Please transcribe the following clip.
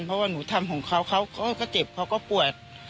เพราะว่าหนูทำของเขาเขาก็เจ็บเขาก็ปวด